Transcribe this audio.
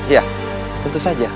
ya tentu saja